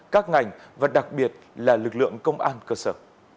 các ngành và đặc biệt là lực lượng công an cơ sở